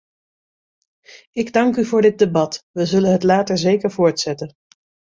Ik dank u voor dit debat - we zullen het later zeker voortzetten.